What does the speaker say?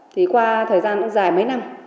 thì qua thời gian cũng dài mấy năm